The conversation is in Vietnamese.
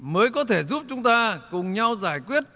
mới có thể giúp chúng ta cùng nhau giải quyết